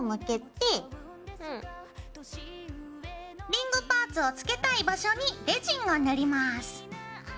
リングパーツを付けたい場所にレジンを塗ります。